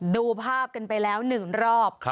ดูภาพกันไปแล้วหนึ่งรอบ